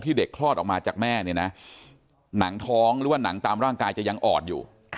เด็กคลอดออกมาจากแม่เนี่ยนะหนังท้องหรือว่าหนังตามร่างกายจะยังอ่อนอยู่